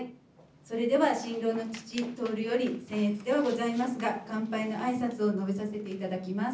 それでは新郎の父徹よりせん越ではございますが乾杯の挨拶を述べさせていただきます。